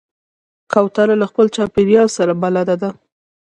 کوتره له خپل چاپېریال سره بلد ده.